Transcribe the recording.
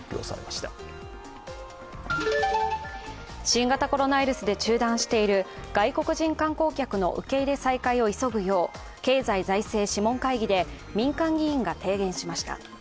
新型コロナウイルスで中断している外国人観光客の受け入れ再開を急ぐよう経済財政諮問会議で民間議員が提言しました。